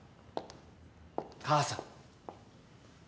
母さん。